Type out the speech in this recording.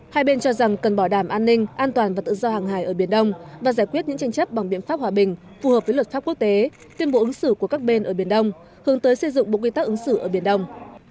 hai bên cho rằng cần bỏ đảm an ninh an toàn và tự do hàng hải ở biển đông và giải quyết những tranh chấp bằng biện pháp hòa bình phù hợp với luật pháp quốc tế tuyên bộ ứng xử của các bên ở biển đông hướng tới xây dựng bộ quy tắc ứng xử ở biển đông